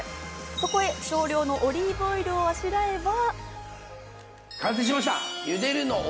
そこへ少量のオリーブオイルをあしらえば。